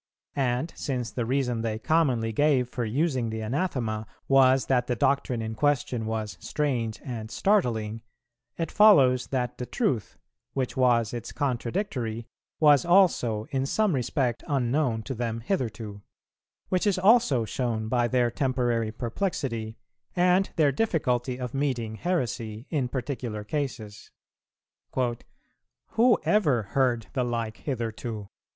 And, since the reason they commonly gave for using the anathema was that the doctrine in question was strange and startling, it follows that the truth, which was its contradictory, was also in some respect unknown to them hitherto; which is also shown by their temporary perplexity, and their difficulty of meeting heresy, in particular cases. "Who ever heard the like hitherto?"